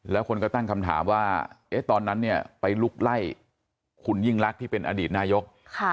แล้วคนก็ตั้งคำถามว่าตอนนั้นเนี่ยไปลุกไล่คุณยิ่งลักษณ์ที่เป็นอดีตนายก